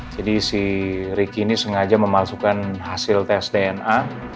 jadi si ricky ini sengaja memalsukan hasil tes dna